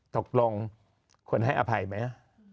ตกลงควรให้อภัยไหม